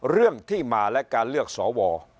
เรื่องที่มาและการเลือกสว